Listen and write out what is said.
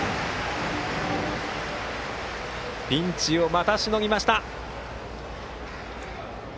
ピンチを、またしのぎました。